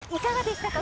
いかがでしたか？